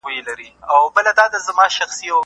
همدا کوچني ګامونه لوی واټن وهي.